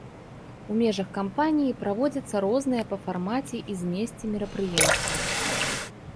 У межах кампаніі праводзяцца розныя па фармаце і змесце мерапрыемствы.